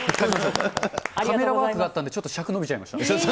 カメラワークがあったんで、ちょっと尺伸びちゃいました。